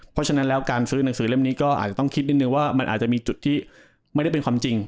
เพราะฉะนั้นแล้วการซื้อหนังสือเล่มนี้ก็อาจจะต้องคิดนิดนึงว่ามันอาจจะมีจุดที่ไม่ได้เป็นความจริง